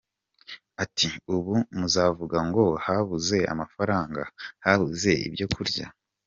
Ati “Ubu muzavuga ngo habuze amafaranga, habuze ibyo kurya?